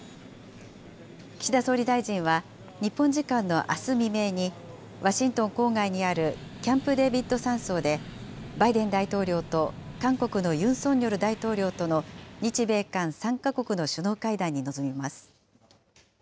岸田総理大臣は、日本時間のあす未明に、ワシントン郊外にあるキャンプ・デービッド山荘で、バイデン大統領と韓国のユン・ソンニョル大統領との日米韓３か国の首脳会談に臨みます。